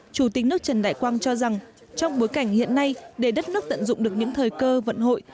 chủ tịch nước trần đại quang cho rằng trong bối cảnh hiện nay để đất nước tận dụng được những thời cơ vận hội